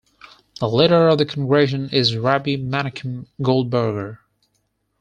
The leader of the congregation is Rabbi Menachem Goldberger.